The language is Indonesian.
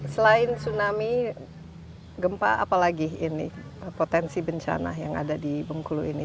selain tsunami gempa apa lagi ini potensi bencana yang ada di bunggulu ini